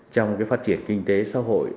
trong cái phát triển kinh tế xã hội